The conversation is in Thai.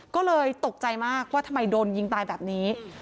ก็เลยตกใจมากว่าทำไมโดนยิงตายแบบนี้